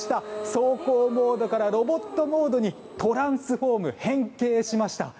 走行モードからロボットモードにトランスフォーム変形しました。